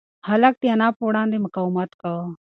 هلک د انا په وړاندې مقاومت کاوه.